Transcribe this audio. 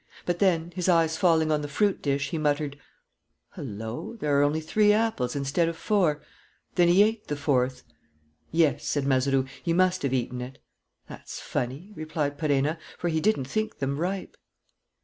But then, his eyes falling on the fruit dish, he muttered: "Hullo! There are only three apples instead of four. Then he ate the fourth." "Yes," said Mazeroux, "he must have eaten it." "That's funny," replied Perenna, "for he didn't think them ripe."